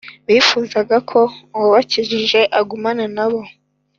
bifuzaga ko uwabakijije agumana na bo